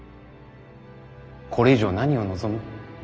これ以上何を望む？